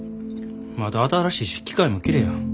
まだ新しいし機械もきれいやん。